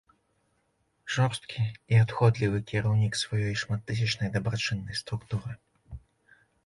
Жорсткі і адходлівы кіраўнік сваёй шматтысячнай дабрачыннай структуры.